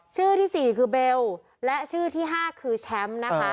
ชื่อที่๔คือเบลและชื่อที่๕คือเซ็ม